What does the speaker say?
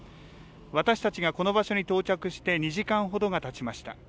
私たちがこの場所に到着して２時間ほどがたちました。